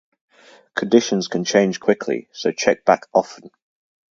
Conditions can change quickly, so check back often.